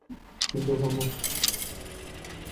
দান্তে, থামো।